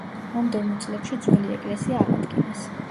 მომდევნო წლებში ძველი ეკლესია აღადგინეს.